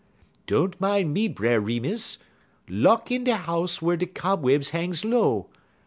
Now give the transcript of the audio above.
"Don't min' me, Brer Remus. Luck in de house whar de cobwebs hangs low.